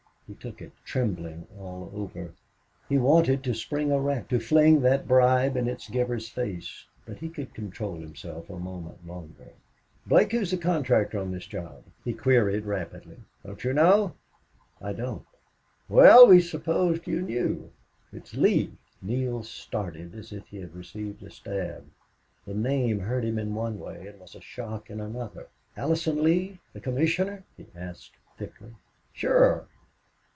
He took it, trembling all over. He wanted to spring erect, to fling that bribe in its giver's face. But he could, control himself a moment longer. "Blake, who's the contractor on this job?" he queried, rapidly. "Don't you know?" "I don't." "Well, we supposed you knew. It's Lee." Neale started as if he had received a stab; the name hurt him in one way and was a shock in another. "Allison Lee the commissioner?" he asked, thickly. "Sure.